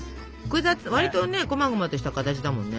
わりとねこまごまとした形だもんね。